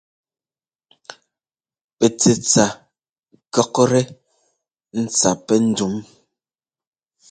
Pɛ tsɛtsa kʉ̈ktɛ́ ntsa pɛ́ ndǔm.